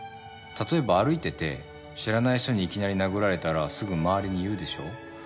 例えば歩いてて知らない人にいきなり殴られたらすぐ周りに言うでしょう？